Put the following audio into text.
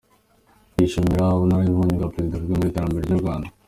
Yishimira ubunararibonye bwa Perezida Kagame n’iterambere ry’u Rwanda.